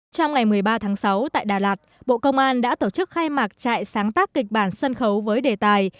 trong ngày một mươi ba tháng sáu tại đà lạt bộ công an đã tổ chức khai mạc trại sáng tác kịch bản sân khấu với đề tài